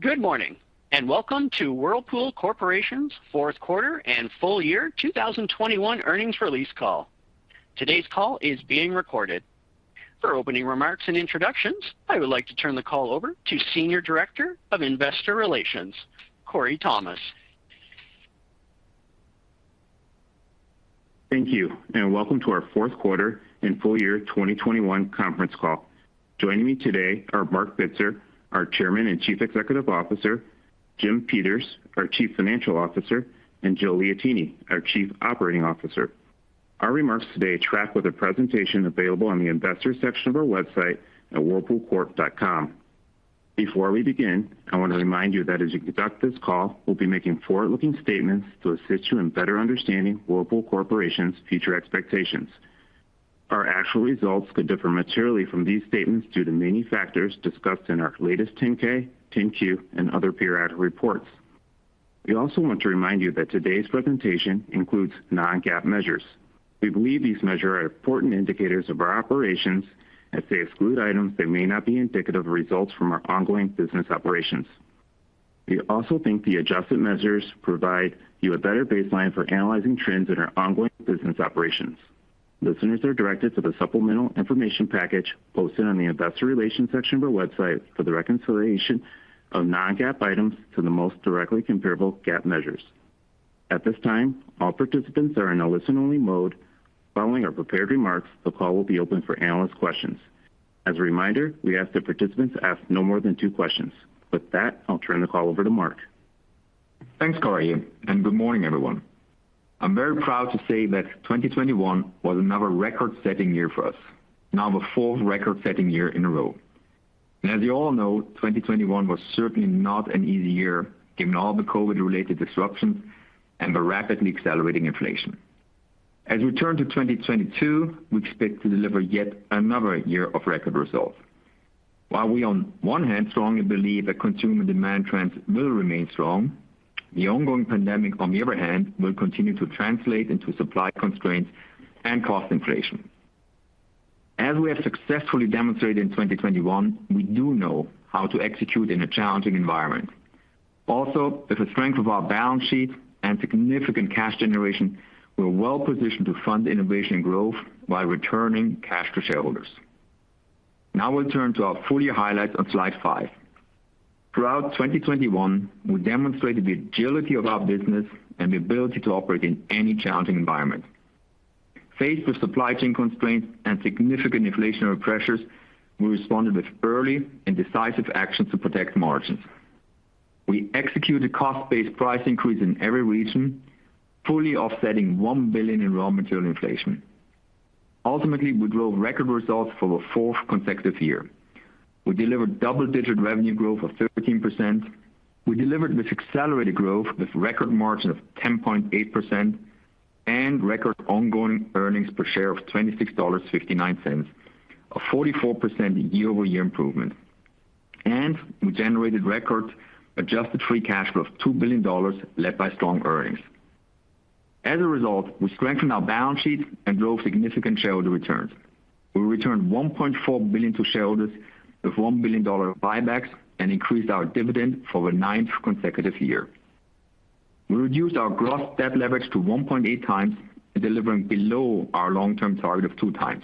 Good morning, and welcome to Whirlpool Corporation's fourth quarter and full-year 2021 earnings release call. Today's call is being recorded. For opening remarks and introductions, I would like to turn the call over to Senior Director of Investor Relations, Korey Thomas. Thank you, and welcome to our fourth quarter and full-year 2021 conference call. Joining me today are Marc Bitzer, our Chairman and Chief Executive Officer, Jim Peters, our Chief Financial Officer, and Joe Liotine, our Chief Operating Officer. Our remarks today track with a presentation available on the Investor section of our website at whirlpoolcorp.com. Before we begin, I want to remind you that as you conduct this call, we'll be making forward-looking statements to assist you in better understanding Whirlpool Corporation's future expectations. Our actual results could differ materially from these statements due to many factors discussed in our latest 10-K, 10-Q and other periodic reports. We also want to remind you that today's presentation includes non-GAAP measures. We believe these measures are important indicators of our operations as they exclude items that may not be indicative of results from our ongoing business operations. We also think the adjusted measures provide you a better baseline for analyzing trends in our ongoing business operations. Listeners are directed to the supplemental information package posted on the investor relations section of our website for the reconciliation of non-GAAP items to the most directly comparable GAAP measures. At this time, all participants are in a listen-only mode. Following our prepared remarks, the call will be open for analyst questions. As a reminder, we ask that participants ask no more than two questions. With that, I'll turn the call over to Marc. Thanks, Korey, and good morning, everyone. I'm very proud to say that 2021 was another record-setting year for us. Now the fourth record-setting year in a row. As you all know, 2021 was certainly not an easy year given all the COVID-related disruptions and the rapidly accelerating inflation. As we turn to 2022, we expect to deliver yet another year of record results. While we on one hand strongly believe that consumer demand trends will remain strong, the ongoing pandemic, on the other hand, will continue to translate into supply constraints and cost inflation. As we have successfully demonstrated in 2021, we do know how to execute in a challenging environment. Also, with the strength of our balance sheet and significant cash generation, we're well-positioned to fund innovation and growth while returning cash to shareholders. Now we'll turn to our full-year highlights on slide five. Throughout 2021, we demonstrated the agility of our business and the ability to operate in any challenging environment. Faced with supply chain constraints and significant inflationary pressures, we responded with early and decisive actions to protect margins. We executed cost-based price increase in every region, fully offsetting $1 billion in raw material inflation. Ultimately, we drove record results for the fourth consecutive year. We delivered double-digit revenue growth of 13%. We delivered this accelerated growth with record margin of 10.8% and record ongoing earnings per share of $26.59, a 44% year-over-year improvement. We generated record adjusted free cash flow of $2 billion led by strong earnings. As a result, we strengthened our balance sheet and drove significant shareholder returns. We returned $1.4 billion to shareholders with $1 billion buybacks and increased our dividend for the ninth consecutive year. We reduced our gross debt leverage to 1.8x, delivering below our long-term target of 2x.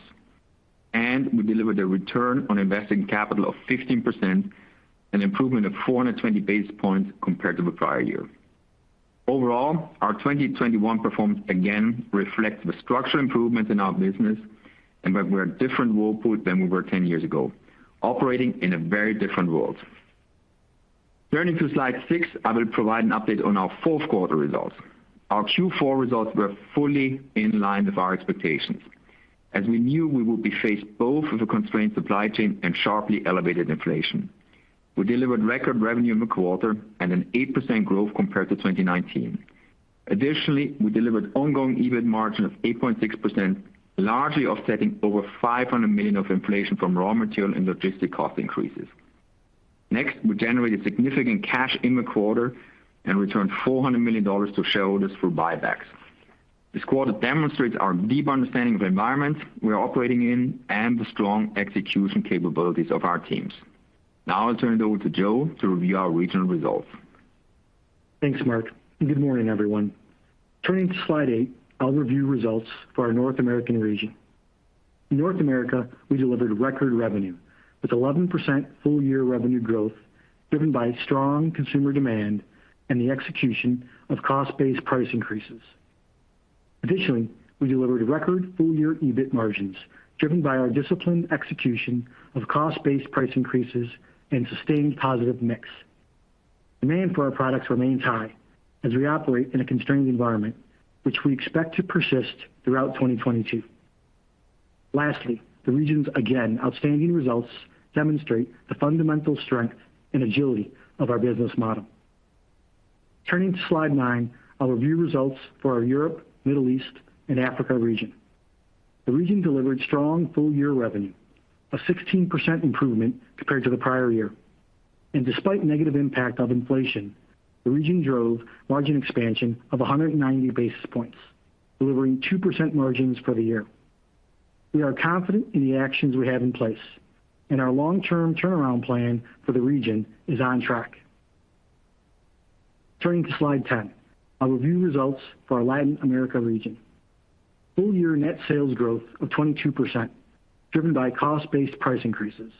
We delivered a return on invested capital of 15%, an improvement of 420 basis points compared to the prior year. Overall, our 2021 performance again reflects the structural improvement in our business and that we're a different Whirlpool than we were 10 years ago, operating in a very different world. Turning to slide six, I will provide an update on our fourth quarter results. Our Q4 results were fully in line with our expectations, as we knew we would be faced both with a constrained supply chain and sharply elevated inflation. We delivered record revenue in the quarter and an 8% growth compared to 2019. Additionally, we delivered ongoing EBIT margin of 8.6%, largely offsetting over $500 million of inflation from raw material and logistics cost increases. Next, we generated significant cash in the quarter and returned $400 million to shareholders through buybacks. This quarter demonstrates our deep understanding of the environment we are operating in and the strong execution capabilities of our teams. Now I'll turn it over to Joe to review our regional results. Thanks, Marc, and good morning, everyone. Turning to slide eight, I'll review results for our North American region. In North America, we delivered record revenue with 11% full-year revenue growth driven by strong consumer demand and the execution of cost-based price increases. Additionally, we delivered record full-year EBIT margins driven by our disciplined execution of cost-based price increases and sustained positive mix. Demand for our products remains high as we operate in a constrained environment, which we expect to persist throughout 2022. Lastly, the region's again outstanding results demonstrate the fundamental strength and agility of our business model. Turning to slide nine, I'll review results for our Europe, Middle East, and Africa region. The region delivered strong full-year revenue, a 16% improvement compared to the prior year. Despite negative impact of inflation, the region drove margin expansion of 190 basis points, delivering 2% margins for the year. We are confident in the actions we have in place, and our long-term turnaround plan for the region is on track. Turning to slide 10, I'll review results for our Latin America region. Full-year net sales growth of 22% driven by cost-based price increases.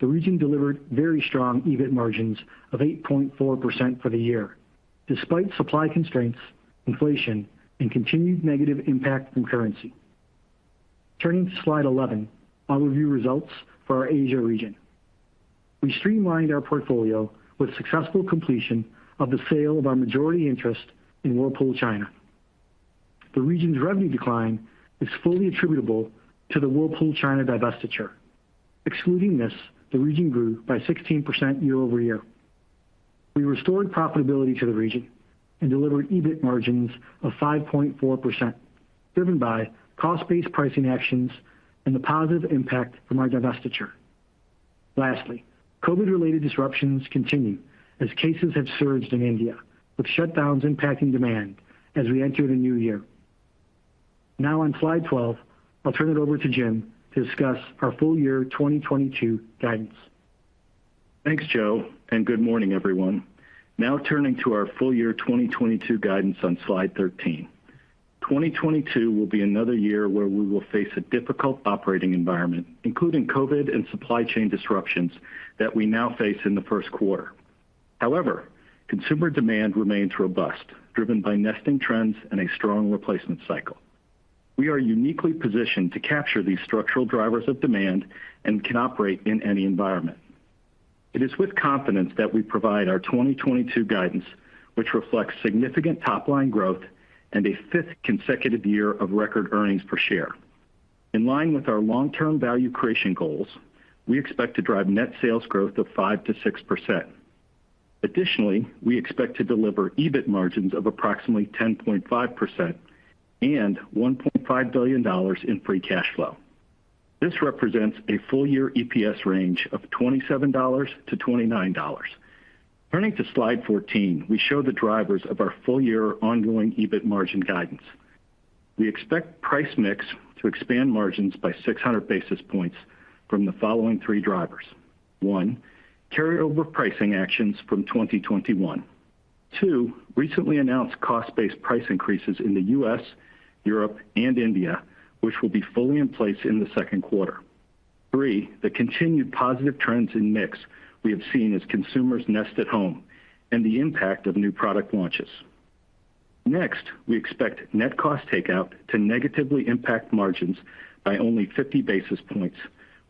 The region delivered very strong EBIT margins of 8.4% for the year, despite supply constraints, inflation, and continued negative impact from currency. Turning to slide 11, I'll review results for our Asia region. We streamlined our portfolio with successful completion of the sale of our majority interest in Whirlpool China. The region's revenue decline is fully attributable to the Whirlpool China divestiture. Excluding this, the region grew by 16% year-over-year. We restored profitability to the region and delivered EBIT margins of 5.4% driven by cost-based pricing actions and the positive impact from our divestiture. Lastly, COVID-related disruptions continue as cases have surged in India, with shutdowns impacting demand as we enter the new year. Now on slide 12, I'll turn it over to Jim to discuss our full-year 2022 guidance. Thanks, Joe, and good morning, everyone. Now turning to our full-year 2022 guidance on slide 13. 2022 will be another year where we will face a difficult operating environment, including COVID and supply chain disruptions that we now face in the first quarter. However, consumer demand remains robust, driven by nesting trends and a strong replacement cycle. We are uniquely positioned to capture these structural drivers of demand and can operate in any environment. It is with confidence that we provide our 2022 guidance, which reflects significant top-line growth and a fifth consecutive year of record earnings per share. In line with our long-term value creation goals, we expect to drive net sales growth of 5%-6%. Additionally, we expect to deliver EBIT margins of approximately 10.5% and $1.5 billion in free cash flow. This represents a full-year EPS range of $27-$29. Turning to slide 14, we show the drivers of our full-year ongoing EBIT margin guidance. We expect price mix to expand margins by 600 basis points from the following three drivers. One, carryover pricing actions from 2021. Two, recently announced cost-based price increases in the U.S., Europe, and India, which will be fully in place in the second quarter. Three, the continued positive trends in mix we have seen as consumers nest at home and the impact of new product launches. Next, we expect net cost takeout to negatively impact margins by only 50 basis points,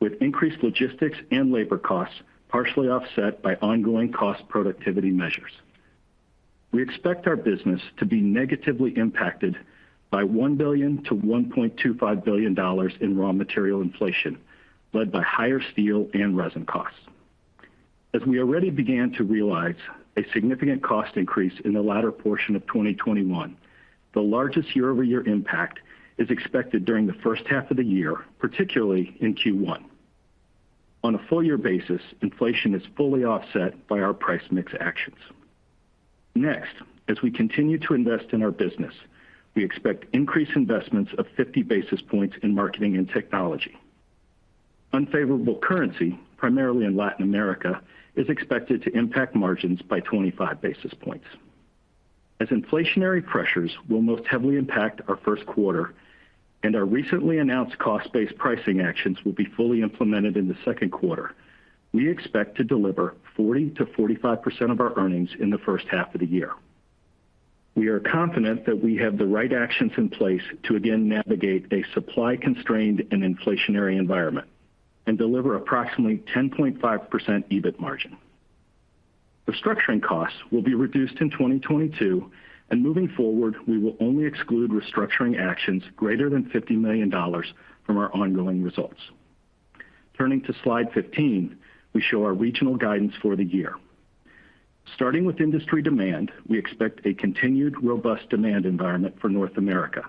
with increased logistics and labor costs partially offset by ongoing cost productivity measures. We expect our business to be negatively impacted by $1 billion-$1.25 billion in raw material inflation, led by higher steel and resin costs. As we already began to realize a significant cost increase in the latter portion of 2021, the largest year-over-year impact is expected during the first half of the year, particularly in Q1. On a full-year basis, inflation is fully offset by our price mix actions. Next, as we continue to invest in our business, we expect increased investments of 50 basis points in marketing and technology. Unfavorable currency, primarily in Latin America, is expected to impact margins by 25 basis points. As inflationary pressures will most heavily impact our first quarter and our recently announced cost-based pricing actions will be fully implemented in the second quarter, we expect to deliver 40%-45% of our earnings in the first half of the year. We are confident that we have the right actions in place to again navigate a supply constrained and inflationary environment and deliver approximately 10.5% EBIT margin. The restructuring costs will be reduced in 2022, and moving forward, we will only exclude restructuring actions greater than $50 million from our ongoing results. Turning to slide 15, we show our regional guidance for the year. Starting with industry demand, we expect a continued robust demand environment for North America,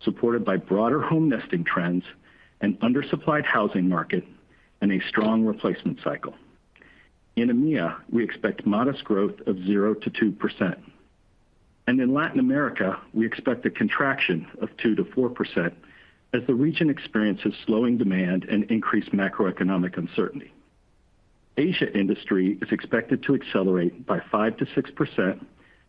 supported by broader home nesting trends, an undersupplied housing market, and a strong replacement cycle. In EMEA, we expect modest growth of 0%-2%. In Latin America, we expect a contraction of 2%-4% as the region experiences slowing demand and increased macroeconomic uncertainty. Asia industry is expected to accelerate by 5%-6%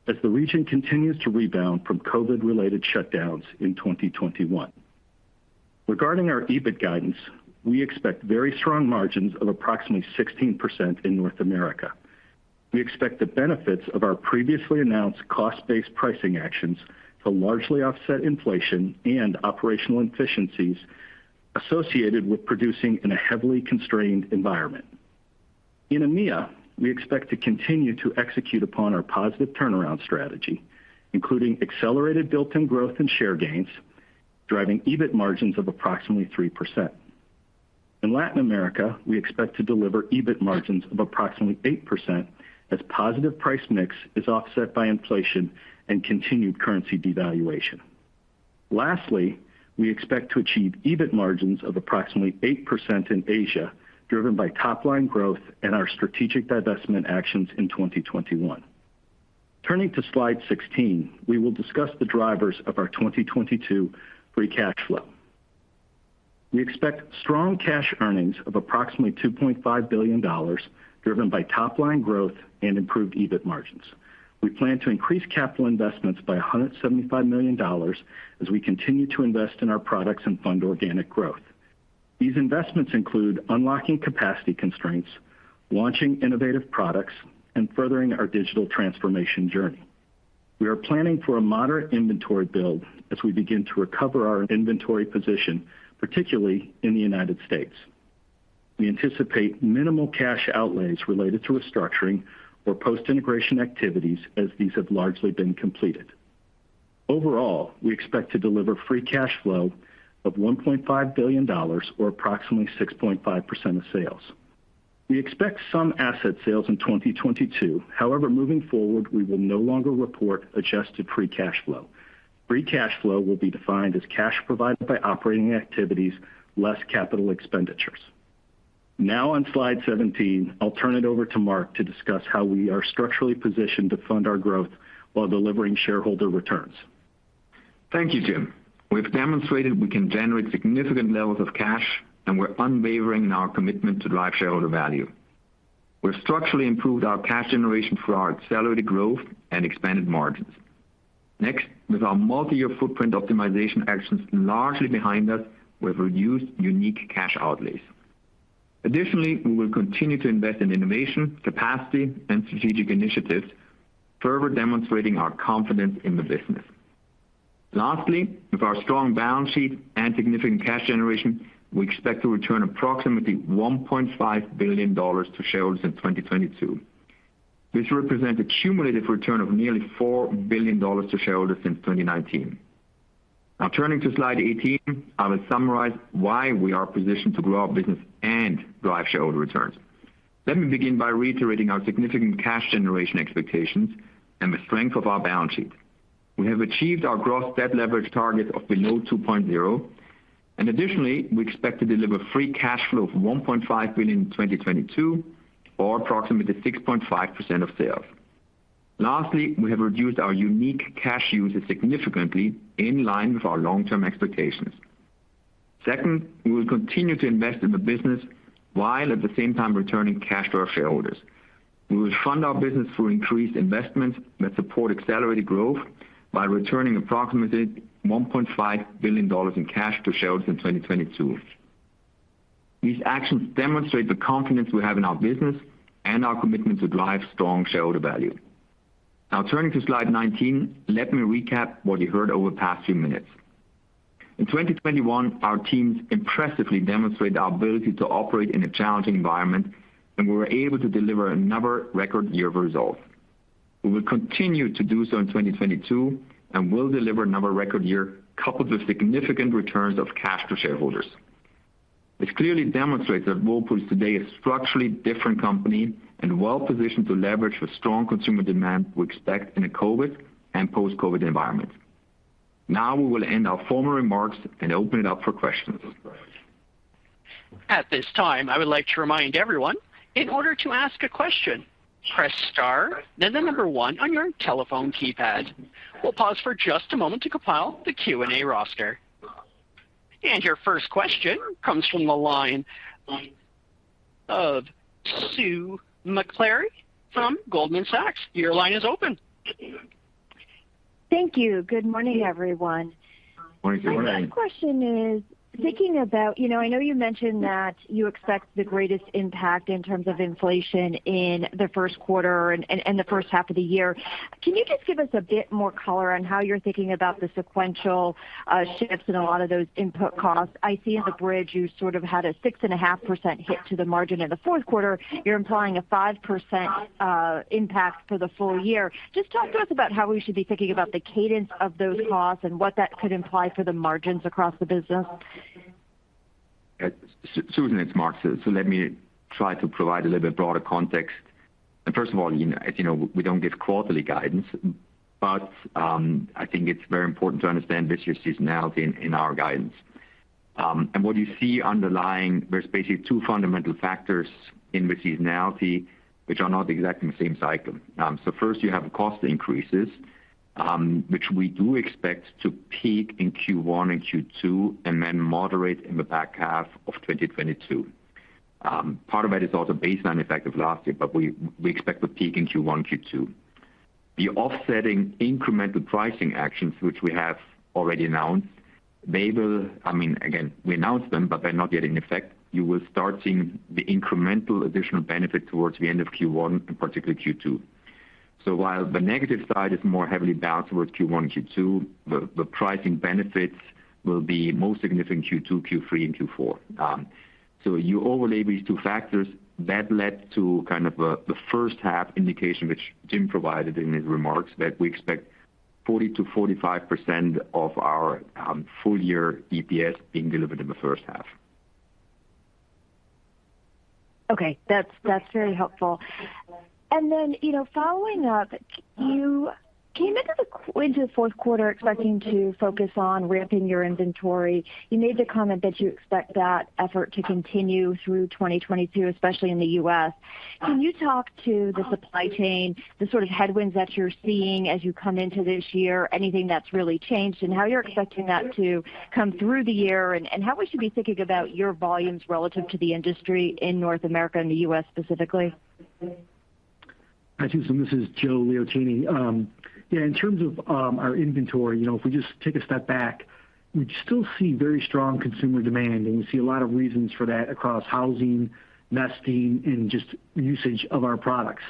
as the region continues to rebound from COVID-related shutdowns in 2021. Regarding our EBIT guidance, we expect very strong margins of approximately 16% in North America. We expect the benefits of our previously announced cost-based pricing actions to largely offset inflation and operational inefficiencies associated with producing in a heavily constrained environment. In EMEA, we expect to continue to execute upon our positive turnaround strategy, including accelerated built-in growth and share gains, driving EBIT margins of approximately 3%. In Latin America, we expect to deliver EBIT margins of approximately 8% as positive price mix is offset by inflation and continued currency devaluation. Lastly, we expect to achieve EBIT margins of approximately 8% in Asia, driven by top-line growth and our strategic divestment actions in 2021. Turning to slide 16, we will discuss the drivers of our 2022 free cash flow. We expect strong cash earnings of approximately $2.5 billion driven by top line growth and improved EBIT margins. We plan to increase capital investments by $175 million as we continue to invest in our products and fund organic growth. These investments include unlocking capacity constraints, launching innovative products, and furthering our digital transformation journey. We are planning for a moderate inventory build as we begin to recover our inventory position, particularly in the United States. We anticipate minimal cash outlays related to restructuring or post-integration activities as these have largely been completed. Overall, we expect to deliver free cash flow of $1.5 billion or approximately 6.5% of sales. We expect some asset sales in 2022. However, moving forward, we will no longer report adjusted free cash flow. Free cash flow will be defined as cash provided by operating activities less capital expenditures. Now on slide 17, I'll turn it over to Marc to discuss how we are structurally positioned to fund our growth while delivering shareholder returns. Thank you, Jim. We've demonstrated we can generate significant levels of cash, and we're unwavering in our commitment to drive shareholder value. We've structurally improved our cash generation through our accelerated growth and expanded margins. Next, with our multi-year footprint optimization actions largely behind us, we've reduced unique cash outlays. Additionally, we will continue to invest in innovation, capacity, and strategic initiatives, further demonstrating our confidence in the business. Lastly, with our strong balance sheet and significant cash generation, we expect to return approximately $1.5 billion to shareholders in 2022, which represents a cumulative return of nearly $4 billion to shareholders since 2019. Now turning to slide 18, I will summarize why we are positioned to grow our business and drive shareholder returns. Let me begin by reiterating our significant cash generation expectations and the strength of our balance sheet. We have achieved our gross debt leverage target of below 2.0, and additionally, we expect to deliver free cash flow of $1.5 billion in 2022 or approximately 6.5% of sales. Lastly, we have reduced our unique cash uses significantly in line with our long-term expectations. Second, we will continue to invest in the business while at the same time returning cash to our shareholders. We will fund our business through increased investments that support accelerated growth by returning approximately $1.5 billion in cash to shareholders in 2022. These actions demonstrate the confidence we have in our business and our commitment to drive strong shareholder value. Now turning to slide 19, let me recap what you heard over the past few minutes. In 2021, our teams impressively demonstrated our ability to operate in a challenging environment, and we were able to deliver another record year of results. We will continue to do so in 2022 and will deliver another record year coupled with significant returns of cash to shareholders. This clearly demonstrates that Whirlpool is today a structurally different company and well-positioned to leverage the strong consumer demand we expect in a COVID and post-COVID environment. Now we will end our formal remarks and open it up for questions. At this time, I would like to remind everyone, in order to ask a question, press star then the number one on your telephone keypad. We'll pause for just a moment to compile the Q&A roster. Your first question comes from the line of Sue Maklari from Goldman Sachs. Your line is open. Thank you. Good morning, everyone. Morning. Good morning. My first question is thinking about. You know, I know you mentioned that you expect the greatest impact in terms of inflation in the first quarter and the first half of the year. Can you just give us a bit more color on how you're thinking about the sequential shifts in a lot of those input costs? I see on the bridge you sort of had a 6.5% hit to the margin in the fourth quarter. You're implying a 5% impact for the full year. Just talk to us about how we should be thinking about the cadence of those costs and what that could imply for the margins across the business. Susan, it's Marc. Let me try to provide a little bit broader context. First of all, you know, as you know, we don't give quarterly guidance, but I think it's very important to understand business seasonality in our guidance. What you see underlying, there's basically two fundamental factors in the seasonality which are not exactly the same cycle. First you have cost increases, which we do expect to peak in Q1 and Q2 and then moderate in the back half of 2022. Part of that is also baseline effect of last year, but we expect to peak in Q1, Q2. The offsetting incremental pricing actions which we have already announced, I mean, again, we announced them, but they're not yet in effect. You will start seeing the incremental additional benefit towards the end of Q1 and particularly Q2. While the negative side is more heavily balanced towards Q1, Q2, the pricing benefits will be most significant Q2, Q3, and Q4. You overlay these two factors, that led to kind of the first half indication which Jim provided in his remarks that we expect 40%-45% of our full-year EPS being delivered in the first half. Okay. That's very helpful. Then, you know, following up, you went into the fourth quarter expecting to focus on ramping your inventory. You made the comment that you expect that effort to continue through 2022, especially in the U.S. Can you talk to the supply chain, the sort of headwinds that you're seeing as you come into this year? Anything that's really changed and how you're expecting that to come through the year, and how we should be thinking about your volumes relative to the industry in North America and the U.S. specifically? Hi, Susan, this is Joe Liotine. Yeah, in terms of our inventory, you know, if we just take a step back, we still see very strong consumer demand, and we see a lot of reasons for that across housing, nesting, and just usage of our products.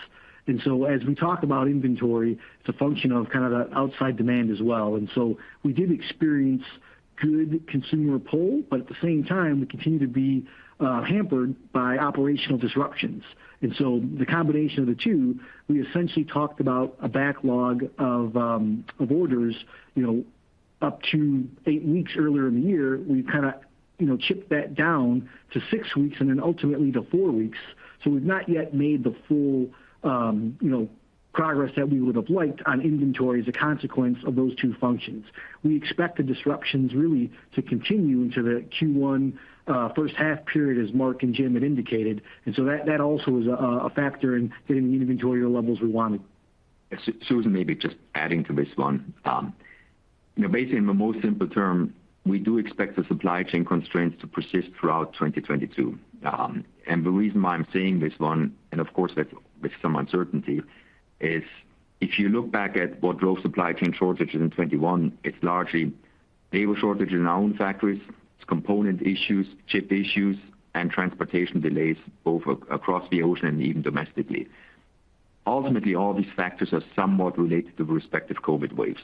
As we talk about inventory, it's a function of kinda the outside demand as well. We did experience good consumer pull, but at the same time we continue to be hampered by operational disruptions. The combination of the two, we essentially talked about a backlog of orders, you know, up to eight weeks earlier in the year. We've kinda, you know, chipped that down to six weeks and then ultimately to four weeks. We've not yet made the full, you know, progress that we would have liked on inventory as a consequence of those two functions. We expect the disruptions really to continue into the Q1, first half period as Marc and Jim had indicated. That also is a factor in getting the inventory levels we wanted. Susan, maybe just adding to this one. You know, basically in the most simple term, we do expect the supply chain constraints to persist throughout 2022. The reason why I'm saying this one, and of course that's with some uncertainty, is if you look back at what drove supply chain shortages in 2021, it's largely labor shortage in our own factories, it's component issues, chip issues, and transportation delays both across the ocean and even domestically. Ultimately, all these factors are somewhat related to respective COVID waves.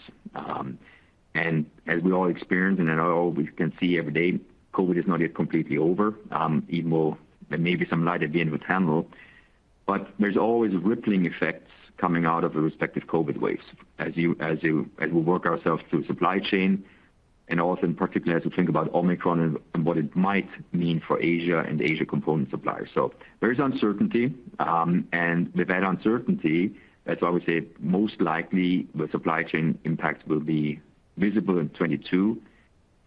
As we all experience and that's all we can see every day, COVID is not yet completely over. Even though there may be some light at the end of the tunnel, but there's always rippling effects coming out of the respective COVID waves. As we work ourselves through supply chain and also in particular, as we think about Omicron and what it might mean for Asia and Asia component suppliers. There is uncertainty, and with that uncertainty, that's why we say most likely the supply chain impact will be visible in 2022.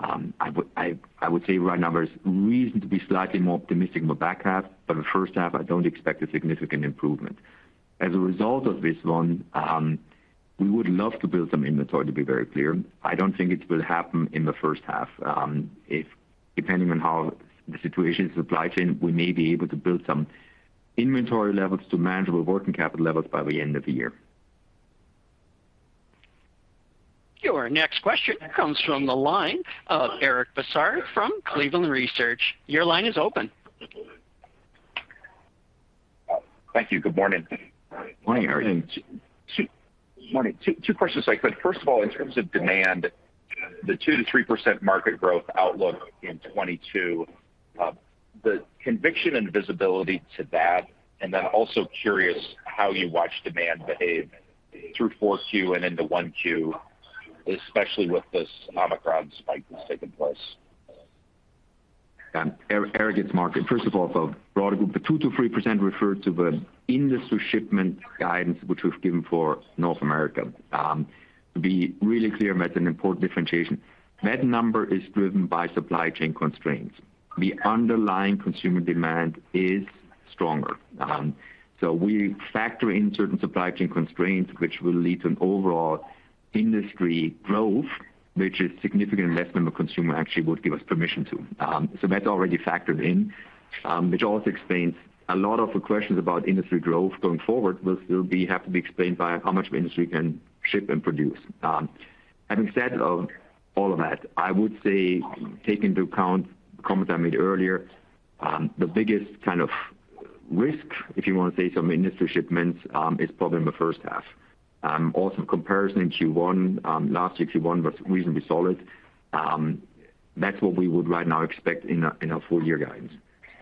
I would say right now there's reason to be slightly more optimistic in the back half, but the first half, I don't expect a significant improvement. As a result of this one, we would love to build some inventory, to be very clear. I don't think it will happen in the first half. If depending on how the supply chain situation, we may be able to build some inventory levels to manageable working capital levels by the end of the year. Your next question comes from the line of Eric Bosshard from Cleveland Research. Your line is open. Thank you. Good morning. Morning, Eric. Good morning. Two questions if I could. First of all, in terms of demand, the 2%-3% market growth outlook in 2022, the conviction and visibility to that, and then also curious how you watch demand behave through 4Q and into 1Q, especially with this Omicron spike that's taking place. Eric, it's Marc. First of all, broadly, the 2%-3% referred to the industry shipment guidance, which we've given for North America. To be really clear, that's an important differentiation. That number is driven by supply chain constraints. The underlying consumer demand is stronger. We factor in certain supply chain constraints which will lead to an overall industry growth, which is significantly less than the consumer actually would give us permission to. That's already factored in, which also explains a lot of the questions about industry growth going forward, which will still have to be explained by how much of industry can ship and produce. Having said all of that, I would say take into account comments I made earlier. The biggest kind of risk, if you wanna say so, in industry shipments, is probably in the first half. Also, comparison in Q1, last year Q1 was reasonably solid. That's what we would right now expect in our full-year guidance.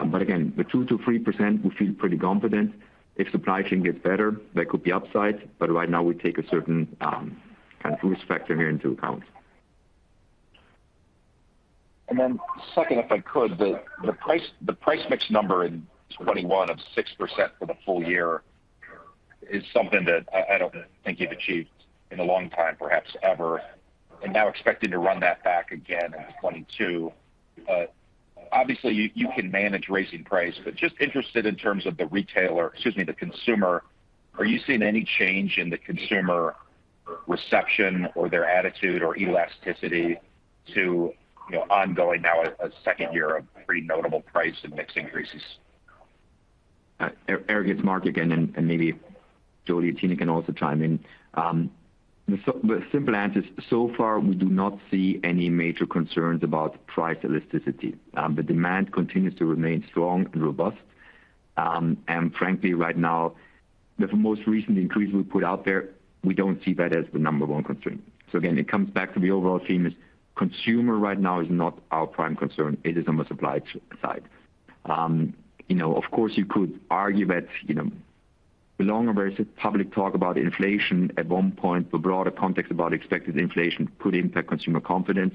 Again, the 2%-3%, we feel pretty confident. If supply chain gets better, there could be upsides, but right now we take a certain kind of risk factor here into account. Then second, if I could, the price mix number in 2021 of 6% for the full year is something that I don't think you've achieved in a long time, perhaps ever, and now expecting to run that back again in 2022. Obviously you can manage raising price, but just interested in terms of the retailer, excuse me, the consumer. Are you seeing any change in the consumer reception or their attitude or elasticity to, you know, ongoing now a second year of pretty notable price and mix increases? Eric, it's Marc again, and maybe Joe Liotine can also chime in. The simple answer is so far we do not see any major concerns about price elasticity. The demand continues to remain strong and robust. Frankly, right now, the most recent increase we put out there, we don't see that as the number one constraint. Again, it comes back to the overall theme is consumer right now is not our prime concern, it is on the supply side. You know, of course you could argue that, you know, the longer the public talks about inflation at one point, the broader context about expected inflation could impact consumer confidence,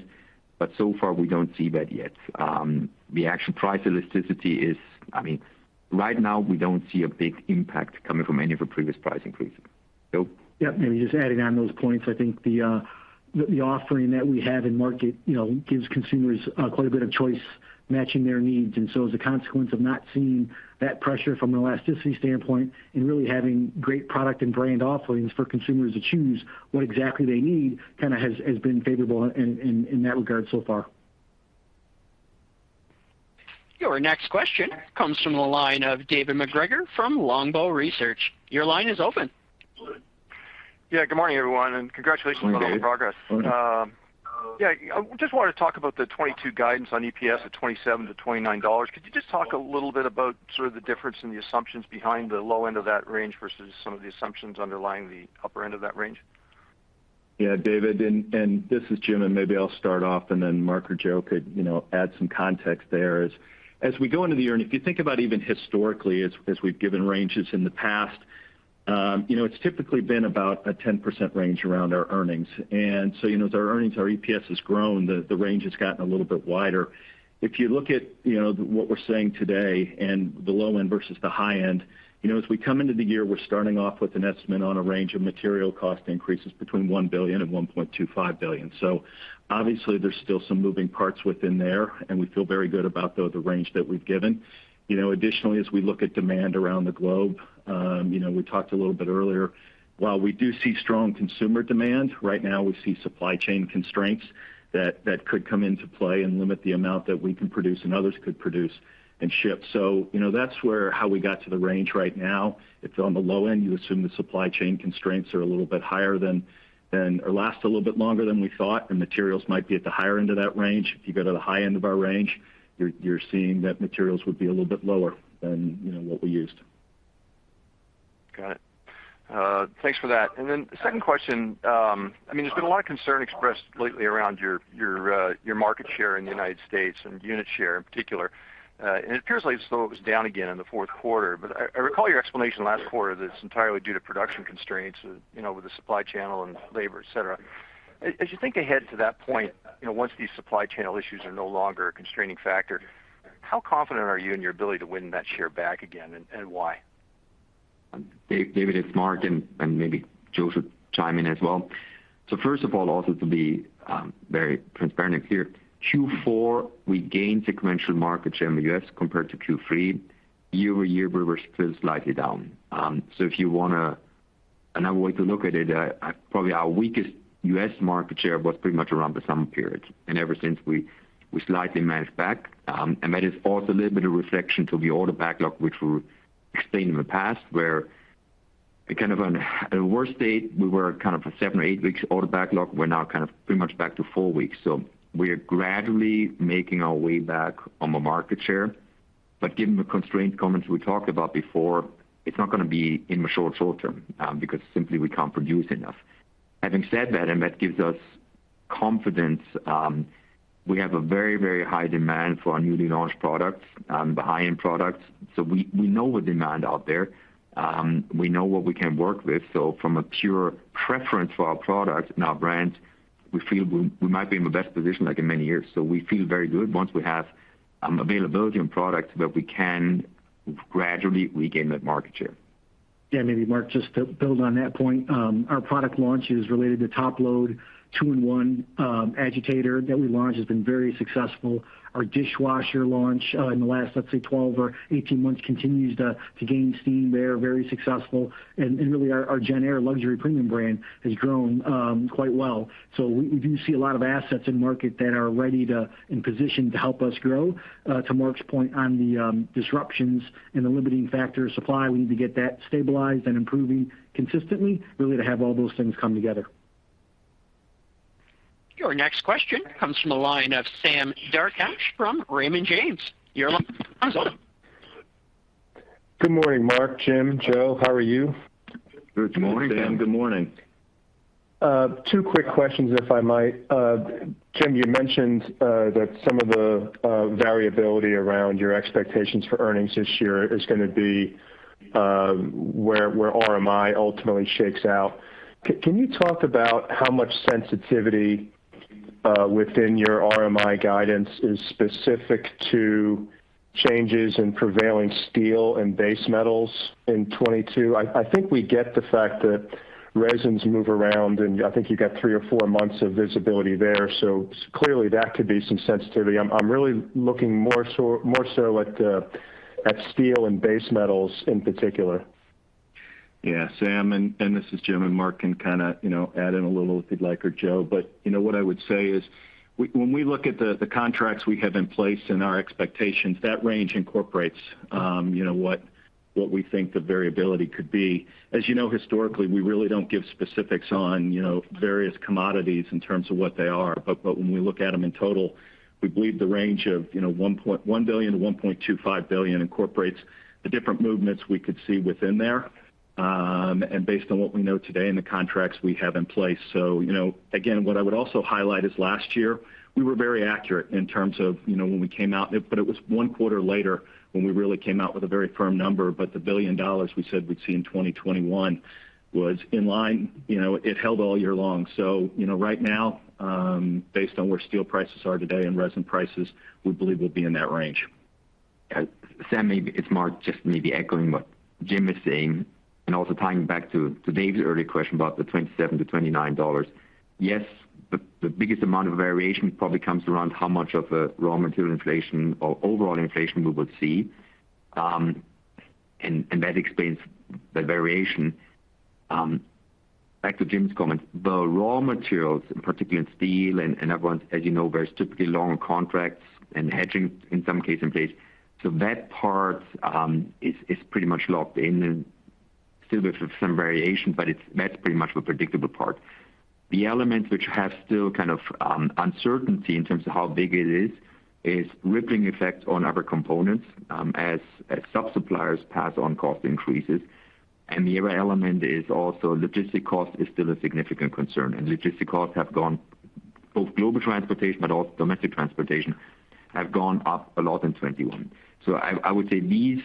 but so far we don't see that yet. The actual price elasticity is. I mean, right now we don't see a big impact coming from any of the previous price increases. Joe? Yep. Maybe just adding on those points, I think the offering that we have in market, you know, gives consumers quite a bit of choice matching their needs. As a consequence of not seeing that pressure from an elasticity standpoint and really having great product and brand offerings for consumers to choose what exactly they need, kinda has been favorable in that regard so far. Your next question comes from the line of David MacGregor from Longbow Research. Your line is open. Yeah. Good morning, everyone, and congratulations. Good morning, David. On all the progress. Yeah, I just wanted to talk about the 2022 guidance on EPS at $27-$29. Could you just talk a little bit about sort of the difference in the assumptions behind the low end of that range versus some of the assumptions underlying the upper end of that range? Yeah, David, and this is Jim, and maybe I'll start off, and then Marc or Joe could, you know, add some context there. As we go into the year, and if you think about even historically as we've given ranges in the past, you know, it's typically been about a 10% range around our earnings. You know, as our earnings, our EPS has grown, the range has gotten a little bit wider. If you look at, you know, what we're saying today and the low end versus the high end, you know, as we come into the year, we're starting off with an estimate on a range of material cost increases between $1 billion and $1.25 billion. Obviously there's still some moving parts within there, and we feel very good about, though, the range that we've given. You know, additionally, as we look at demand around the globe, you know, we talked a little bit earlier, while we do see strong consumer demand, right now we see supply chain constraints that could come into play and limit the amount that we can produce and others could produce and ship. You know, that's how we got to the range right now. If you're on the low end, you assume the supply chain constraints are a little bit higher than or last a little bit longer than we thought, and materials might be at the higher end of that range. If you go to the high end of our range, you're seeing that materials would be a little bit lower than, you know, what we used. Got it. Thanks for that. The second question, I mean, there's been a lot of concern expressed lately around your market share in the United States and unit share in particular. It appears like as though it was down again in the fourth quarter. I recall your explanation last quarter that it's entirely due to production constraints, you know, with the supply chain and labor, et cetera. As you think ahead to that point, you know, once these supply chain issues are no longer a constraining factor, how confident are you in your ability to win that share back again, and why? David, it's Marc, and maybe Joe should chime in as well. First of all, also to be very transparent and clear, Q4, we gained sequential market share in the U.S. compared to Q3. Year-over-year, we were still slightly down. If you wanna another way to look at it, probably our weakest U.S. market share was pretty much around the summer period. Ever since, we slightly managed back. That is also a little bit of reflection to the order backlog, which we explained in the past, where kind of on a worst case, we were kind of a seven or eight weeks order backlog. We're now kind of pretty much back to four weeks. We are gradually making our way back on the market share. Given the constraint comments we talked about before, it's not gonna be in the short term, because simply we can't produce enough. Having said that gives us confidence, we have a very high demand for our newly launched products, the high-end products. We know the demand out there. We know what we can work with. From a pure preference for our products and our brands, we feel we might be in the best position, like in many years. We feel very good once we have availability on products that we can gradually regain that market share. Yeah, maybe Marc, just to build on that point, our product launches related to top-load two-in-one agitator that we launched has been very successful. Our dishwasher launch in the last, let's say, 12 or 18 months continues to gain steam. They are very successful. Really our JennAir luxury premium brand has grown quite well. We do see a lot of assets in market that are ready and positioned to help us grow. To Marc's point on the disruptions and the limiting factor of supply, we need to get that stabilized and improving consistently, really to have all those things come together. Your next question comes from the line of Sam Darkatsh from Raymond James. Your line is open. Good morning, Marc, Jim, Joe. How are you? Good morning, Sam. Good morning. Two quick questions, if I might. Jim, you mentioned that some of the variability around your expectations for earnings this year is gonna be where RMI ultimately shakes out. Can you talk about how much sensitivity within your RMI guidance is specific to changes in prevailing steel and base metals in 2022? I think we get the fact that resins move around, and I think you got three or four months of visibility there. Clearly that could be some sensitivity. I'm really looking more so at steel and base metals in particular. Yeah, Sam, and this is Jim, and Marc can kinda, you know, add in a little if he'd like, or Joe. What I would say is when we look at the contracts we have in place and our expectations, that range incorporates you know what we think the variability could be. As you know, historically, we really don't give specifics on you know various commodities in terms of what they are. When we look at them in total, we believe the range of you know $1 billion-$1.25 billion incorporates the different movements we could see within there, and based on what we know today and the contracts we have in place. You know, again, what I would also highlight is last year, we were very accurate in terms of, you know, when we came out. It was one quarter later when we really came out with a very firm number. The $1 billion we said we'd see in 2021 was in line. You know, it held all year long. You know, right now, based on where steel prices are today and resin prices, we believe we'll be in that range. Sam, it's Marc just maybe echoing what Jim is saying, and also tying back to David's earlier question about the $27-$29. Yes, the biggest amount of variation probably comes around how much of a raw material inflation or overall inflation we will see. That explains the variation. Back to Jim's comment. The raw materials, in particular in steel and everyone's, as you know, very strictly long contracts and hedging in some case in place. So that part is pretty much locked in and still with some variation, but that's pretty much the predictable part. The elements which have still kind of uncertainty in terms of how big it is ripple effects on other components, as sub-suppliers pass on cost increases. The other element is also logistics cost is still a significant concern. Logistics costs have gone, both global transportation but also domestic transportation, have gone up a lot in 2021. I would say these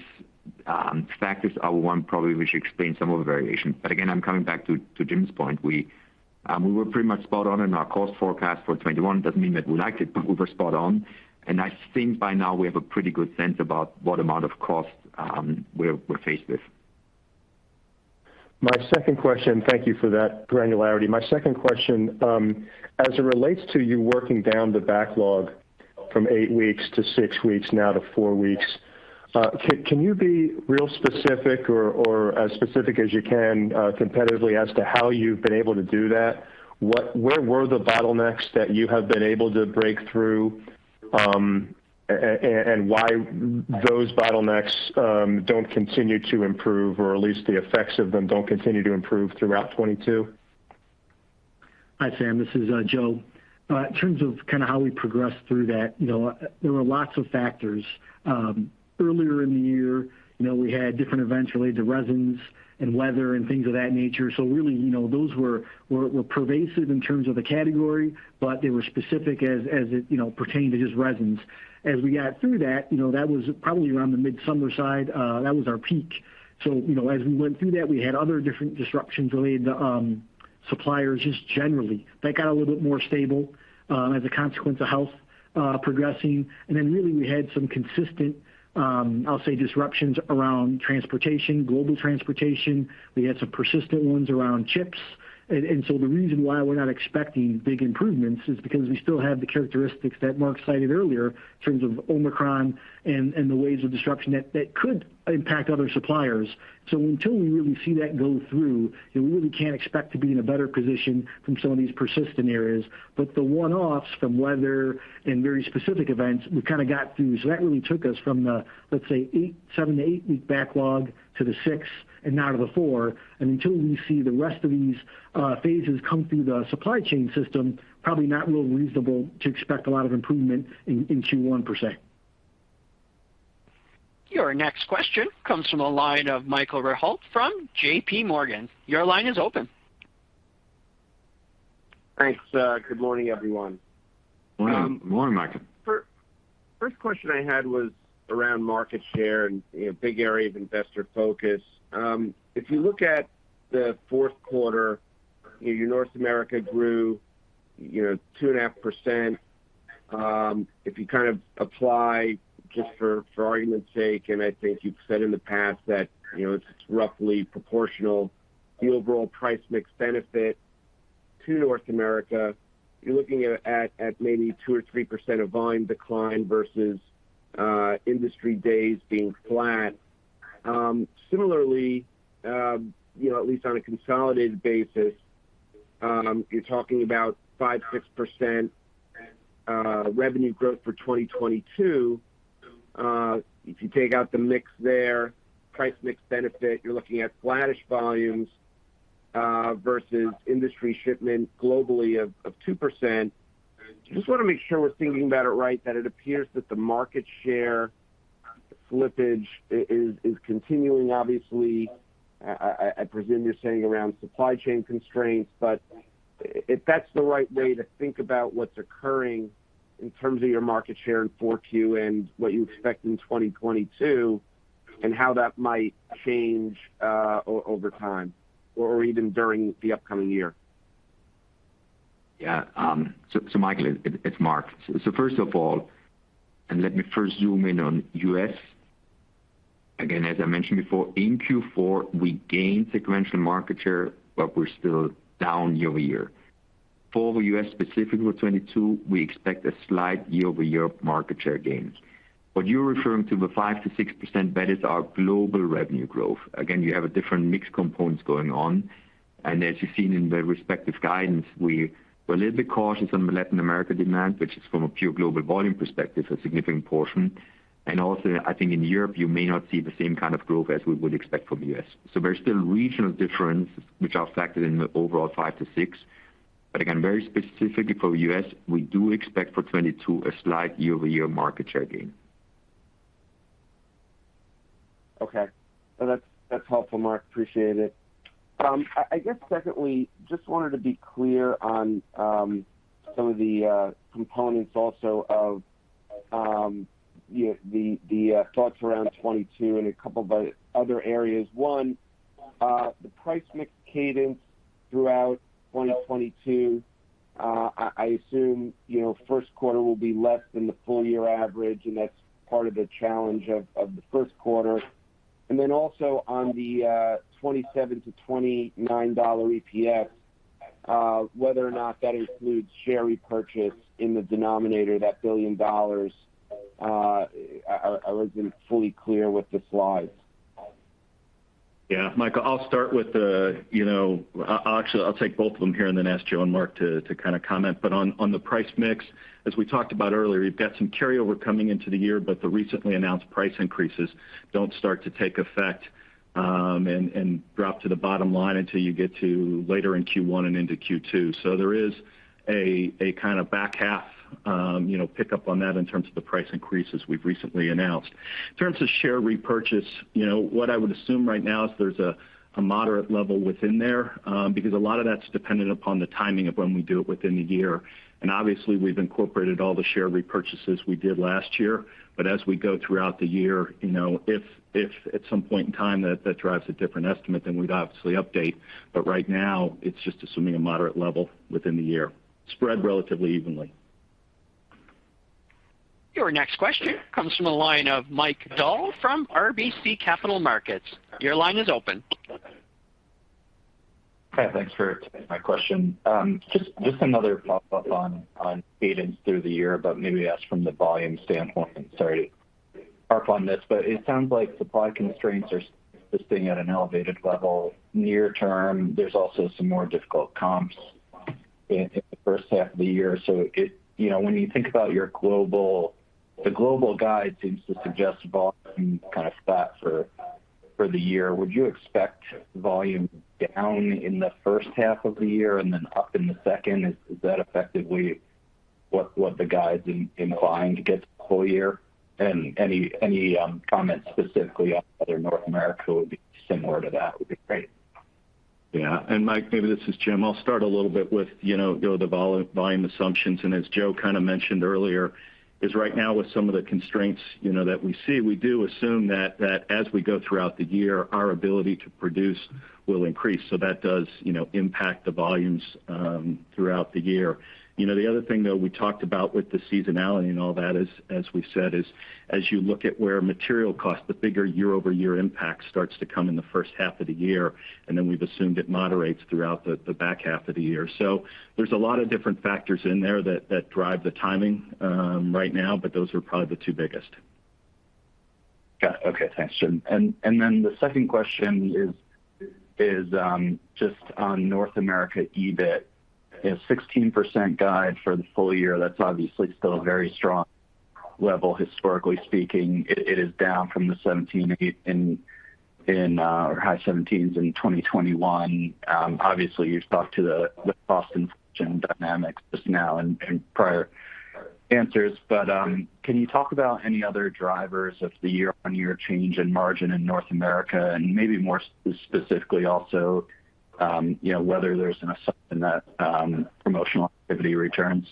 factors are one probably which explain some of the variation. Again, I'm coming back to Jim's point. We were pretty much spot on in our cost forecast for 2021. Doesn't mean that we like it, but we were spot on. I think by now we have a pretty good sense about what amount of cost we're faced with. My second question. Thank you for that granularity. My second question, as it relates to you working down the backlog from eight weeks to six weeks now to four weeks, can you be real specific or as specific as you can, competitively as to how you've been able to do that? Where were the bottlenecks that you have been able to break through, and why those bottlenecks don't continue to improve or at least the effects of them don't continue to improve throughout 2022? Hi, Sam, this is Joe. In terms of kind of how we progressed through that, you know, there were lots of factors. Earlier in the year, you know, we had different events related to resins and weather and things of that nature. Really, you know, those were pervasive in terms of the category, but they were specific as it pertained to just resins. As we got through that, you know, that was probably around the mid-summer side, that was our peak. You know, as we went through that, we had other different disruptions related to suppliers just generally. That got a little bit more stable as a consequence of health progressing. Then really we had some consistent, I'll say disruptions around transportation, global transportation. We had some persistent ones around chips. The reason why we're not expecting big improvements is because we still have the characteristics that Marc cited earlier in terms of Omicron and the waves of disruption that could impact other suppliers. Until we really see that go through, we really can't expect to be in a better position from some of these persistent areas. The one-offs from weather and very specific events we kinda got through. That really took us from the, let's say, seven to eight-week backlog to the six and now to the four. Until we see the rest of these phases come through the supply chain system, probably not real reasonable to expect a lot of improvement in Q1 per se. Your next question comes from the line of Michael Rehaut from JPMorgan. Your line is open. Thanks, good morning, everyone. Morning, Michael. First question I had was around market share and, you know, big area of investor focus. If you look at the fourth quarter, you know, your North America grew, you know, 2.5%. If you kind of apply just for argument's sake, and I think you've said in the past that, you know, it's roughly proportional, the overall price mix benefit to North America, you're looking at maybe 2%-3% of volume decline versus industry sales being flat. Similarly, you know, at least on a consolidated basis, you're talking about 5%-6% revenue growth for 2022. If you take out the mix there, price mix benefit, you're looking at flattish volumes versus industry shipments globally of 2%. Just wanna make sure we're thinking about it right, that it appears that the market share slippage is continuing obviously. I presume you're saying around supply chain constraints, but if that's the right way to think about what's occurring in terms of your market share in 4Q and what you expect in 2022, and how that might change over time or even during the upcoming year. Yeah. Michael, it's Marc. First of all, let me first zoom in on U.S. Again, as I mentioned before, in Q4 we gained sequential market share, but we're still down year-over-year. For U.S. specific with 2022, we expect a slight year-over-year market share gains. What you're referring to, the 5%-6%, that is our global revenue growth. Again, you have a different mix components going on. As you've seen in the respective guidance, we're a little bit cautious on Latin America demand, which is from a pure global volume perspective, a significant portion. Also I think in Europe, you may not see the same kind of growth as we would expect from U.S. There's still regional differences which are factored in the overall 5%-6%. Again, very specifically for U.S., we do expect for 2022 a slight year-over-year market share gain. Okay. That's helpful, Marc. Appreciate it. I guess secondly, just wanted to be clear on some of the components also of you know, the thoughts around 2022 and a couple of other areas. One the price mix cadence throughout 2022, I assume, you know, first quarter will be less than the full year average, and that's part of the challenge of the first quarter. Then also on the $27-$29 EPS, whether or not that includes share repurchase in the denominator, that $1 billion, I wasn't fully clear with the slides. Yeah. Michael, actually I'll take both of them here and then ask Joe and Marc to kind of comment. On the price mix, as we talked about earlier, we've got some carryover coming into the year, but the recently announced price increases don't start to take effect and drop to the bottom line until you get to later in Q1 and into Q2. There is a kind of back half pickup on that in terms of the price increases we've recently announced. In terms of share repurchase, you know, what I would assume right now is there's a moderate level within there because a lot of that's dependent upon the timing of when we do it within the year. Obviously we've incorporated all the share repurchases we did last year. As we go throughout the year, you know, if at some point in time that drives a different estimate, then we'd obviously update. Right now it's just assuming a moderate level within the year spread relatively evenly. Your next question comes from the line of Mike Dahl from RBC Capital Markets. Your line is open. Hi, thanks for taking my question. Just another pop-up on cadence through the year, but maybe ask from the volume standpoint. Sorry to harp on this, but it sounds like supply constraints are staying at an elevated level near term. There's also some more difficult comps in the first half of the year. When you think about the global guide seems to suggest volume kind of flat for the year. Would you expect volume down in the first half of the year and then up in the second? Is that effectively what the guide's inclined to get the full year? Any comments specifically on whether North America would be similar to that would be great. Yeah. Mike, maybe this is Jim. I'll start a little bit with, you know, the volume assumptions. As Joe kind of mentioned earlier, is right now with some of the constraints, you know, that we see, we do assume that as we go throughout the year, our ability to produce will increase. That does, you know, impact the volumes throughout the year. You know, the other thing, though, we talked about with the seasonality and all that is, as we said, as you look at where material costs, the bigger year-over-year impact starts to come in the first half of the year, and then we've assumed it moderates throughout the back half of the year. There's a lot of different factors in there that drive the timing right now, but those are probably the two biggest. Got it. Okay. Thanks, Jim. The second question is just on North America EBIT. A 16% guide for the full year, that's obviously still a very strong level historically speaking. It is down from the 17% in or high 17s in 2021. Obviously you've talked to the cost inflation dynamics just now in prior answers. Can you talk about any other drivers of the year-on-year change in margin in North America and maybe more specifically also, you know, whether there's an assumption that promotional activity returns?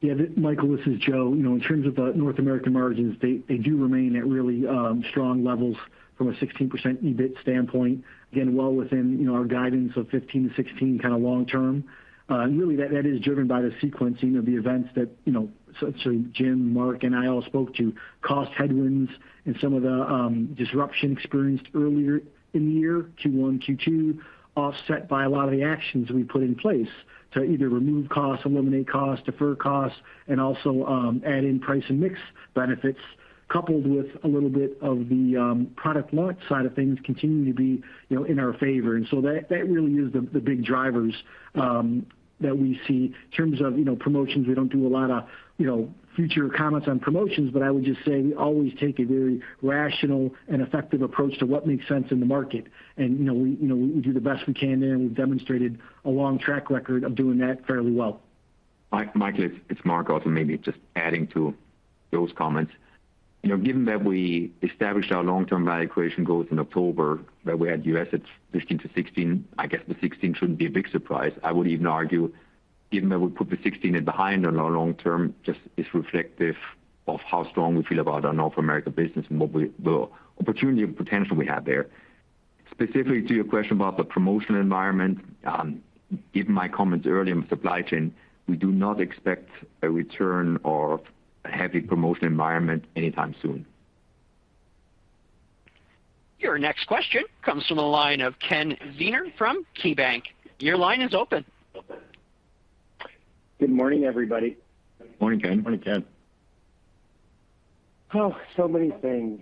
Yeah. Michael, this is Joe. You know, in terms of the North American margins, they do remain at really strong levels from a 16% EBIT standpoint, again, well within, you know, our guidance of 15%-16% kind of long term. Really that is driven by the sequencing of the events that, you know, so Jim, Marc, and I all spoke to. Cost headwinds and some of the disruption experienced earlier in the year, Q1, Q2, offset by a lot of the actions we put in place to either remove costs, eliminate costs, defer costs, and also add in price and mix benefits, coupled with a little bit of the product mix side of things continuing to be, you know, in our favor. That really is the big drivers that we see. In terms of, you know, promotions, we don't do a lot of, you know, future comments on promotions, but I would just say we always take a very rational and effective approach to what makes sense in the market. You know, we, you know, we do the best we can there, and we've demonstrated a long track record of doing that fairly well. Michael, it's Marc also. Maybe just adding to those comments. You know, given that we established our long-term value creation goals in October, that we had U.S. at 15%-16%, I guess the 16% shouldn't be a big surprise. I would even argue given that we put the 16% in behind on our long term just is reflective of how strong we feel about our North America business and what the opportunity and potential we have there. Specifically to your question about the promotional environment, given my comments earlier on supply chain, we do not expect a return of a heavy promotional environment anytime soon. Your next question comes from the line of Ken Zener from KeyBanc. Your line is open. Good morning, everybody. Morning, Ken. Morning, Ken. Oh, so many things.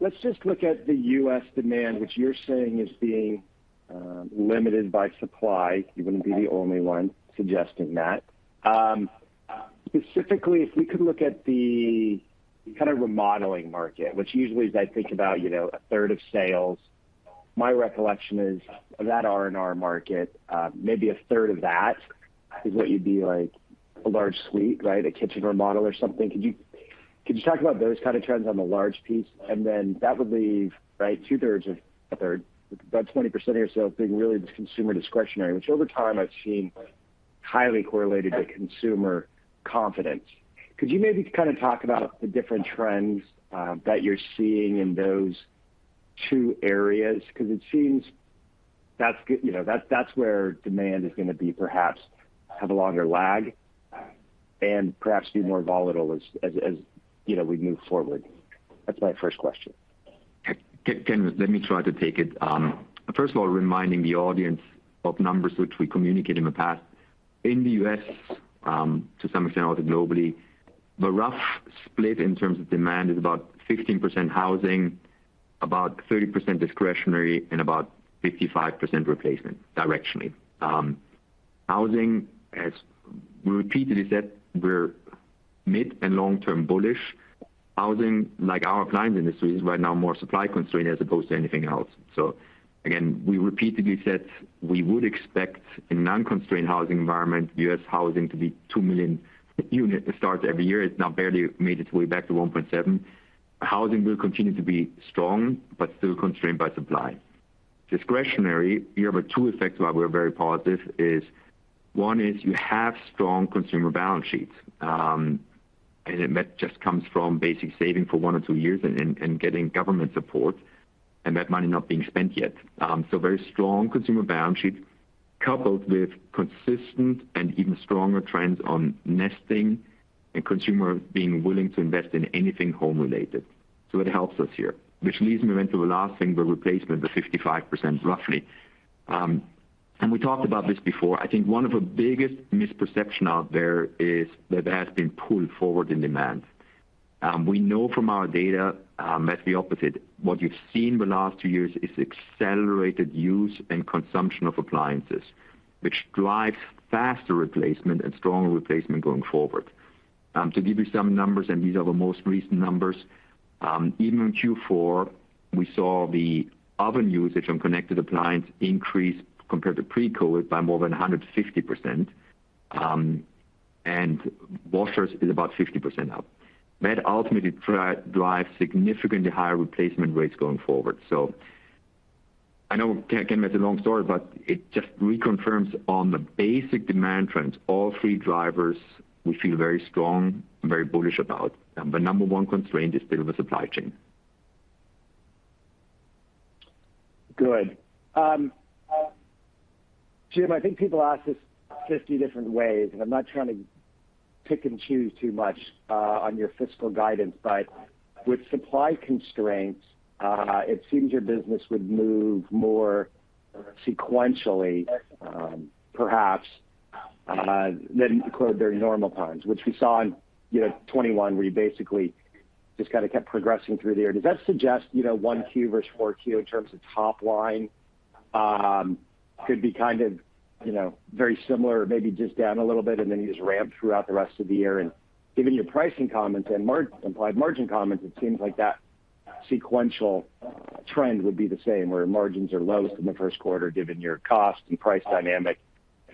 Let's just look at the U.S. demand, which you're saying is being limited by supply. You wouldn't be the only one suggesting that. Specifically, if we could look at the kind of remodeling market, which usually is, I think about, you know, a third of sales. My recollection is of that R&R market, maybe a third of that is what you'd be like a large suite, right? A kitchen remodel or something. Could you talk about those kind of trends on the large piece? Then that would leave, right, two-thirds of a third, about 20% or so being really the consumer discretionary, which over time I've seen highly correlated to consumer confidence. Could you maybe kind of talk about the different trends that you're seeing in those two areas? Cause it seems that's you know, that's where demand is gonna be, perhaps have a longer lag and perhaps be more volatile as you know, we move forward. That's my first question. Ken, let me try to take it. First of all, reminding the audience of numbers which we communicated in the past. In the U.S., to some extent also globally, the rough split in terms of demand is about 15% housing, about 30% discretionary, and about 55% replacement directionally. Housing, as we repeatedly said, we're mid- and long-term bullish. Housing, like our appliance industry, is right now more supply-constrained as opposed to anything else. Again, we repeatedly said we would expect a non-constrained housing environment, U.S. housing to be 2 million unit starts every year. It's now barely made its way back to 1.7. Housing will continue to be strong but still constrained by supply. Discretionary, here are the two effects why we're very positive is: One is you have strong consumer balance sheets, and that just comes from basic saving for one or two years and getting government support, and that money not being spent yet. Very strong consumer balance sheets coupled with consistent and even stronger trends on nesting and consumer being willing to invest in anything home-related. It helps us here, which leads me then to the last thing, the replacement, the roughly 55%. We talked about this before. I think one of the biggest misconception out there is that there has been pull forward in demand. We know from our data, that's the opposite. What you've seen in the last two years is accelerated use and consumption of appliances, which drives faster replacement and stronger replacement going forward. To give you some numbers, and these are the most recent numbers, even in Q4, we saw the oven usage on connected appliance increase compared to pre-COVID by more than 150%, and washers is about 50% up. That ultimately drives significantly higher replacement rates going forward. I know, again, that's a long story, but it just reconfirms on the basic demand trends, all three drivers we feel very strong and very bullish about. The number one constraint is still the supply chain. Good. Jim, I think people ask this 50 different ways, and I'm not trying to pick and choose too much on your fiscal guidance, but with supply constraints, it seems your business would move more sequentially, perhaps, than quote, "very normal times," which we saw in, you know, 2021, where you basically just kinda kept progressing through the year. Does that suggest, you know, 1Q versus 1Q in terms of top line, could be kind of, you know, very similar or maybe just down a little bit, and then you just ramp throughout the rest of the year? Given your pricing comments and implied margin comments, it seems like that sequential trend would be the same, where margins are lowest in the first quarter given your cost and price dynamic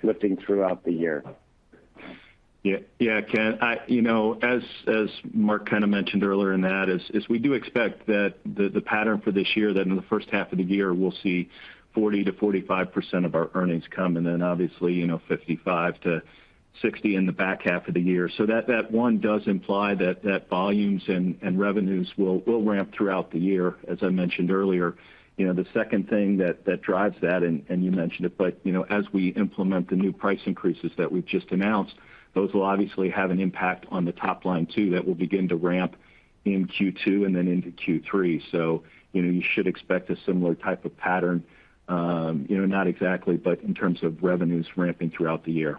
lifting throughout the year. Yeah. Yeah, Ken. You know, as Marc kind of mentioned earlier, that is, we do expect that the pattern for this year, that in the first half of the year, we'll see 40%-45% of our earnings come, and then obviously, you know, 55%-60% in the back half of the year. That one does imply that volumes and revenues will ramp throughout the year, as I mentioned earlier. You know, the second thing that drives that, and you mentioned it, but, you know, as we implement the new price increases that we've just announced, those will obviously have an impact on the top line, too. That will begin to ramp in Q2 and then into Q3. you know, you should expect a similar type of pattern, you know, not exactly, but in terms of revenues ramping throughout the year.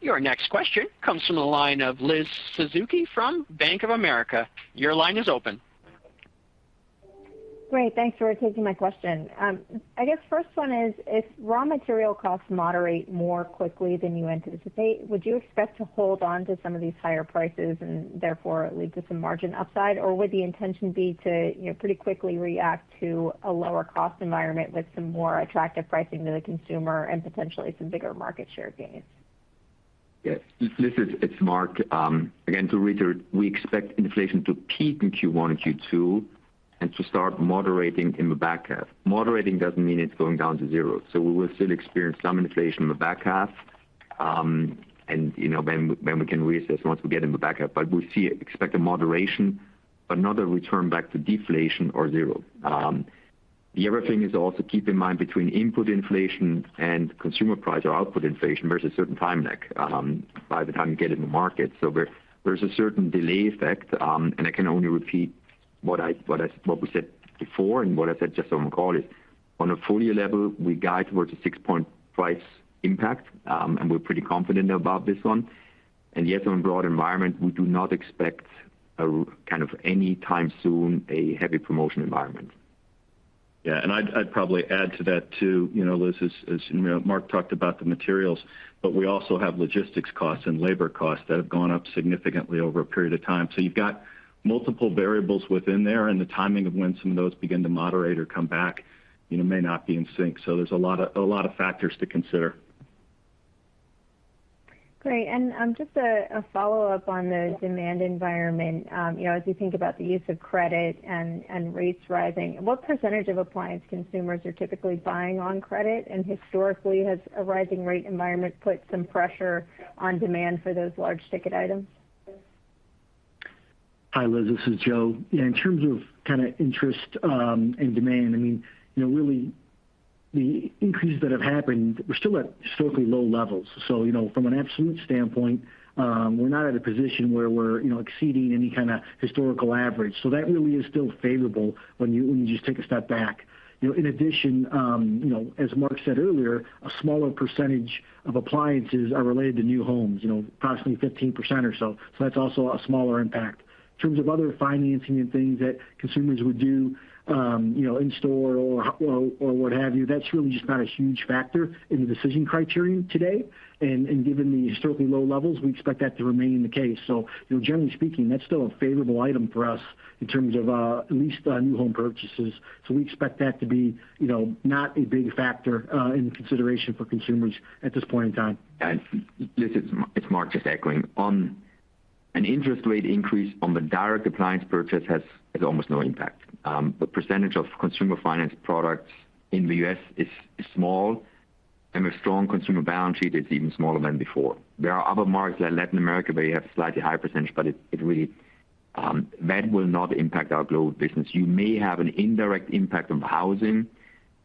Your next question comes from the line of Liz Suzuki from Bank of America. Your line is open. Great. Thanks for taking my question. I guess first one is, if raw material costs moderate more quickly than you anticipate, would you expect to hold on to some of these higher prices and therefore lead to some margin upside? Or would the intention be to, you know, pretty quickly react to a lower cost environment with some more attractive pricing to the consumer and potentially some bigger market share gains? Yes. Liz, it's Marc. Again, to reiterate, we expect inflation to peak in Q1 and Q2 and to start moderating in the back half. Moderating doesn't mean it's going down to zero. We will still experience some inflation in the back half, and then we can reassess once we get in the back half. We expect a moderation but not a return back to deflation or zero. The other thing is also keep in mind between input inflation and consumer price or output inflation, there's a certain time lag by the time you get in the market. There's a certain delay effect, and I can only repeat what we said before and what I said just on the call is, on a full-year level, we guide towards a 6-point price impact, and we're pretty confident about this one. Yes, on broader environment, we do not expect any time soon a heavy promotion environment. Yeah. I'd probably add to that, too. You know, Liz, as Marc talked about the materials, but we also have logistics costs and labor costs that have gone up significantly over a period of time. So you've got multiple variables within there, and the timing of when some of those begin to moderate or come back, you know, may not be in sync. So there's a lot of factors to consider. Great. Just a follow-up on the demand environment. You know, as you think about the use of credit and rates rising, what percentage of appliance consumers are typically buying on credit? Historically, has a rising rate environment put some pressure on demand for those large ticket items? Hi, Liz, this is Joe. Yeah, in terms of kinda interest and demand, I mean, you know, really the increases that have happened, we're still at historically low levels. You know, from an absolute standpoint, we're not at a position where we're, you know, exceeding any kinda historical average. That really is still favorable when you just take a step back. You know, in addition, you know, as Marc said earlier, a smaller percentage of appliances are related to new homes, you know, approximately 15% or so. That's also a smaller impact. In terms of other financing and things that consumers would do, you know, in store or what have you, that's really just not a huge factor in the decision criterion today. Given the historically low levels, we expect that to remain the case. You know, generally speaking, that's still a favorable item for us in terms of, at least, new home purchases. We expect that to be, you know, not a big factor, in consideration for consumers at this point in time. Liz, it's Marc just echoing. An interest rate increase on the direct appliance purchase has almost no impact. The percentage of consumer finance products in the U.S. is small, and with strong consumer balance sheet, it's even smaller than before. There are other markets like Latin America, where you have slightly higher percentage, but that will not impact our global business. You may have an indirect impact on housing,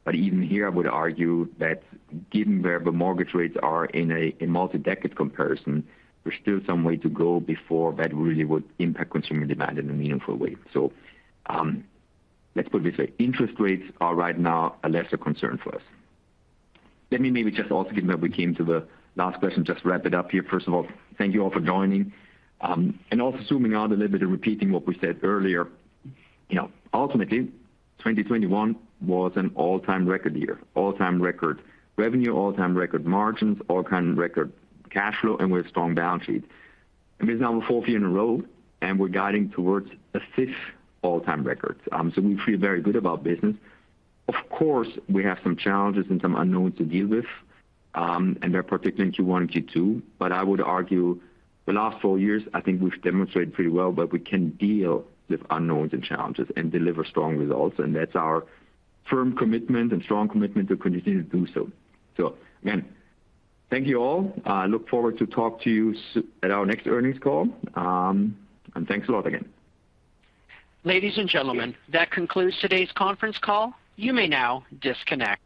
but even here, I would argue that given where the mortgage rates are in a multi-decade comparison, there's still some way to go before that really would impact consumer demand in a meaningful way. Let's put it this way, interest rates are right now a lesser concern for us. Let me maybe just also, given that we came to the last question, just wrap it up here. First of all, thank you all for joining. Also zooming out a little bit and repeating what we said earlier. You know, ultimately, 2021 was an all-time record year. All-time record revenue, all-time record margins, all-time record cash flow, and with strong balance sheet. This is now the fourth year in a row, and we're guiding towards a fifth all-time record. We feel very good about business. Of course, we have some challenges and some unknowns to deal with, and they're particularly in Q1 and Q2. I would argue the last four years, I think we've demonstrated pretty well that we can deal with unknowns and challenges and deliver strong results, and that's our firm commitment and strong commitment to continue to do so. Again, thank you all. I look forward to talk to you at our next earnings call. Thanks a lot again. Ladies and gentlemen, that concludes today's conference call. You may now disconnect.